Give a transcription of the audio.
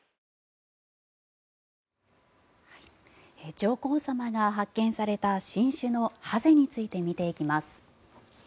上皇さまが発見された新種のハゼについて見ていきます。